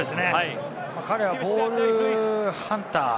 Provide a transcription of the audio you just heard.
彼はボールハンター。